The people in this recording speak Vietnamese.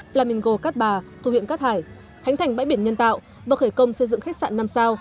flamingo cat ba thu huyện cát hải hãnh thành bãi biển nhân tạo và khởi công xây dựng khách sạn năm sao